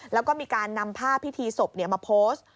แล้วก็มีการนำภาพพิธีศพมาโพสต์